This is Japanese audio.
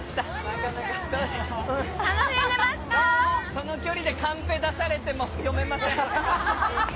その距離でカンペ出されても読めません。